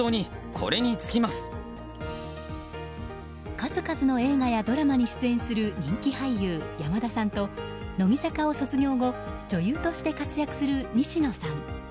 数々の映画やドラマに出演する人気俳優、山田さんと乃木坂を卒業後女優として活躍する西野さん。